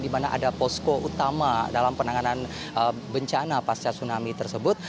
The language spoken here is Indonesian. di mana ada posko utama dalam penanganan bencana pasca tsunami tersebut